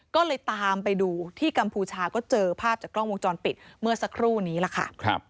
ก็เลยตามไปดูที่กัมพูชาก็เจอภาพจากกล้องวงจรปิดเมื่อสักครู่นี้ล่ะค่ะ